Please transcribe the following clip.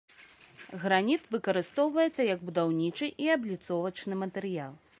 Граніт выкарыстоўваецца як будаўнічы і абліцовачны матэрыял.